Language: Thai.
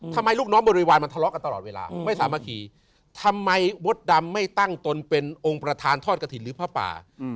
ลูกน้องบริวารมันทะเลาะกันตลอดเวลาไม่สามัคคีทำไมมดดำไม่ตั้งตนเป็นองค์ประธานทอดกระถิ่นหรือผ้าป่า